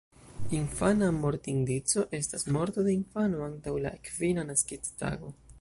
Infana mortindico estas morto de infano antaŭ la kvina naskiĝtago.